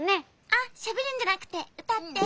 あっしゃべるんじゃなくてうたって。